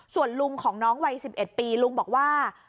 ส่วนลุงของน้องวัย๑๑ปีลุงบอกว่า